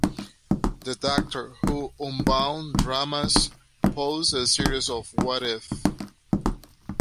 The "Doctor Who Unbound" dramas pose a series of "What if...?